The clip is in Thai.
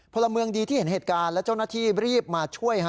พลเมืองดีที่เห็นเหตุการณ์และเจ้าหน้าที่รีบมาช่วย